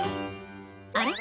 「あれ？